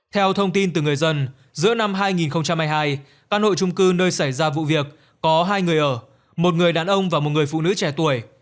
theo thông tin từ người dân giữa năm hai nghìn hai mươi hai căn hộ trung cư nơi xảy ra vụ việc có hai người ở một người đàn ông và một người phụ nữ trẻ tuổi